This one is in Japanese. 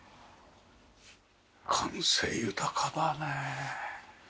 感性豊かだね。